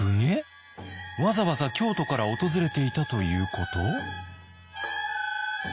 わざわざ京都から訪れていたということ？